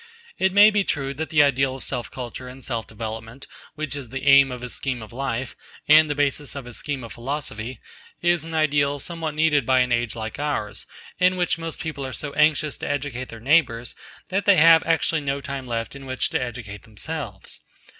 It may be true that the ideal of self culture and self development, which is the aim of his scheme of life, and the basis of his scheme of philosophy, is an ideal somewhat needed by an age like ours, in which most people are so anxious to educate their neighbours that they have actually no time left in which to educate themselves.